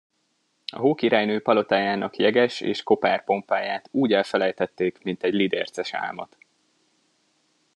A Hókirálynő palotájának jeges és kopár pompáját úgy elfelejtették, mint egy lidérces álmot.